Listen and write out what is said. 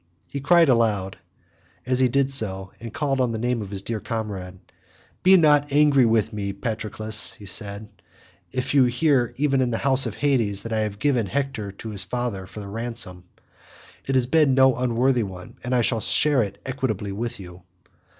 He cried aloud as he did so and called on the name of his dear comrade, "Be not angry with me, Patroclus," he said, "if you hear even in the house of Hades that I have given Hector to his father for a ransom. It has been no unworthy one, and I will share it equitably with you."